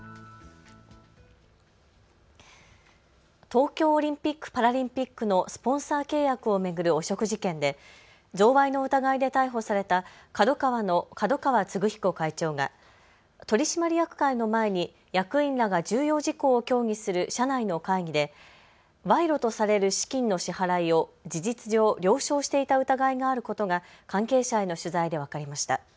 東京オリンピック・パラリンピックのスポンサー契約を巡る汚職事件で贈賄の疑いで逮捕されたＫＡＤＯＫＡＷＡの角川歴彦会長が取締役会の前に役員らが重要事項を協議する社内の会議で賄賂とされる資金の支払いを事実上、了承していた疑いがあることが関係者への取材で分かりました。